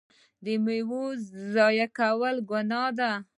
د میوو ضایع کول ګناه ده.